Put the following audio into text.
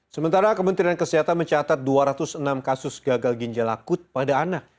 sementara kementerian kesehatan mencatat dua ratus enam kasus gagal ginjal akut pada anak